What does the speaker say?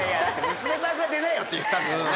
娘さんが出なよって言ったんですよね？